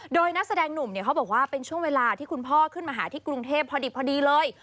โดยนักแสดงหนุ่มเนี่ยเขาบอกว่าเป็นช่วงเวลาที่คุณพ่อขึ้นมาหาที่กรุงเทพพอดีเลย